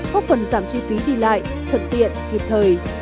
góp phần giảm chi phí đi lại thật tiện hiệp thời